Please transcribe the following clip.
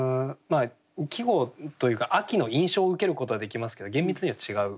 季語というか秋の印象を受けることはできますけど厳密には違う。